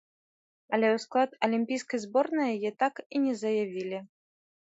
Але ў склад алімпійскай зборнай яе так і не заявілі.